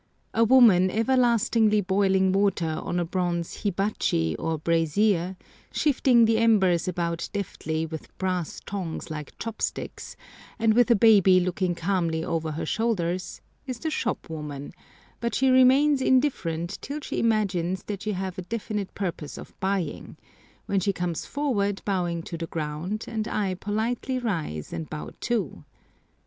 A woman everlastingly boiling water on a bronze hibachi, or brazier, shifting the embers about deftly with brass tongs like chopsticks, and with a baby looking calmly over her shoulders, is the shopwoman; but she remains indifferent till she imagines that you have a definite purpose of buying, when she comes forward bowing to the ground, and I politely rise and bow too.